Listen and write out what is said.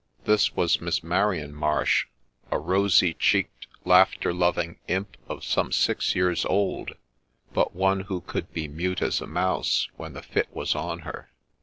This was Miss Marian Marsh, a rosy cheeked laughter loving imp of some six years old ; but one who could be mute as a mouse when the fit was on her.